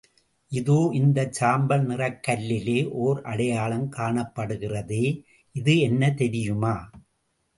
இதோ இந்தச் சாம்பல் நிறக்கல்லிலே ஓர் அடையாளம் காணப்படுகிறதே இது என்ன தெரியுமா?